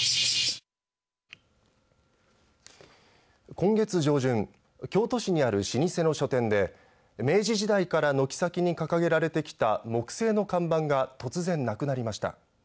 今月上旬京都市にある老舗の書店で明治時代から軒先に掲げられてきた木製の看板が突然なくなりました。